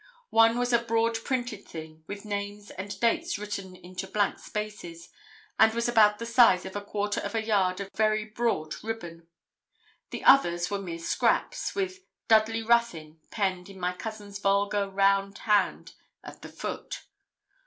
One was a broad printed thing, with names and dates written into blank spaces, and was about the size of a quarter of a yard of very broad ribbon. The others were mere scraps, with 'Dudley Ruthyn' penned in my cousin's vulgar round hand at the foot.